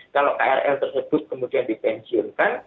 kalau krl tersebut kemudian dipensiunkan